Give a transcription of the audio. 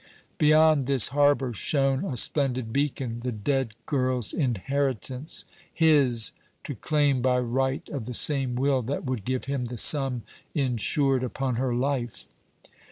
Beyond this harbour shone a splendid beacon, the dead girl's inheritance his, to claim by right of the same will that would give him the sum insured upon her life.